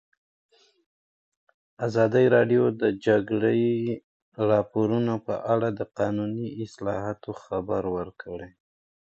ازادي راډیو د د جګړې راپورونه په اړه د قانوني اصلاحاتو خبر ورکړی.